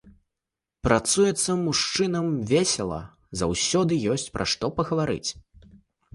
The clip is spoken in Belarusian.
Працуецца мужчынам весела, заўсёды ёсць пра што пагаварыць.